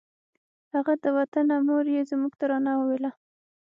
هغه د وطنه مور یې زموږ ترانه وویله